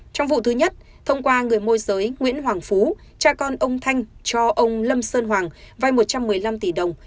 trong vụ thứ nhất thông qua người môi giới nguyễn hoàng phú cha con ông thanh cho ông lâm sơn hoàng vay một trăm một mươi năm tỷ đồng